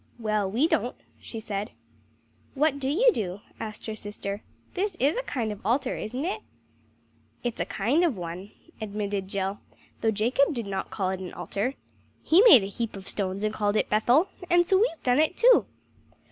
"Well, we don't," she said. "What do you do?" asked her sister. "This is a kind of altar, isn't it?" "It is a kind of one," admitted Jill, "though Jacob did not call it an altar. He made a heap of stones and called it Bethel, and so we've done it too."